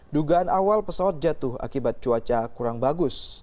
dugaan awal pesawat jatuh akibat cuaca kurang bagus